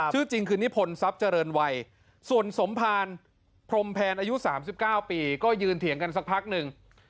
ชื่อจริงคือนิพนธทรัพย์เจริญวัยส่วนสมภารพรมแพนอายุ๓๙ปีก็ยืนเถียงกันสักพักหนึ่ง